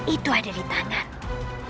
itu ada di tanganmu